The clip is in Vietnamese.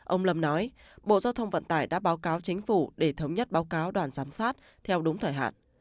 ông lâm nói bộ giao thông vận tải đã báo cáo chính phủ để thống nhất báo cáo đoàn giám sát theo đúng thời hạn